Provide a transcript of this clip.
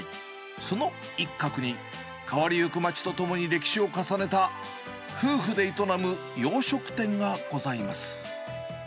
その一角に、変わりゆく街と共に歴史を重ねた、夫婦で営む洋食店がございます。